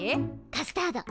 カスタード。